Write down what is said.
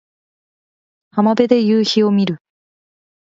浜辺で夕陽を見る